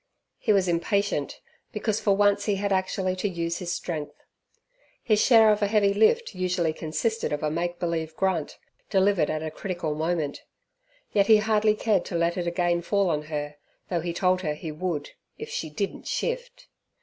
He was impatient, because for once he had actually to use his strength. His share of a heavy lift usually consisted of a make believe grunt, delivered at a critical moment. Yet he hardly cared to let it again fall on her, though he told her he would, if she "didn't shift".